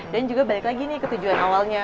dan juga balik lagi nih ke tujuan awalnya